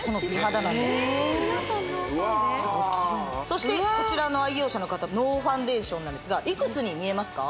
すごくきれいそしてこちらの愛用者の方ノーファンデーションなんですがいくつに見えますか？